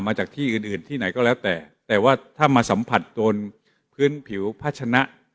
มาจากที่อื่นอื่นที่ไหนก็แล้วแต่แต่ว่าถ้ามาสัมผัสโดนพื้นผิวพัชนะ